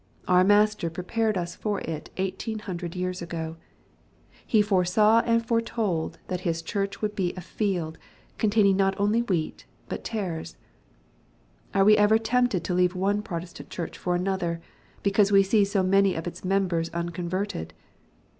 Our Master prepared us for it 180O years ago. He foresaw and foretold, that His Church would be a field, containing not only wheat, but tares. Are we ever tempted to leave one Protestant Church for another, because we see many of its members uncon verted